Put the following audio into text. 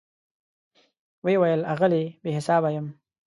وی ویل آغلې , بي حساب یمه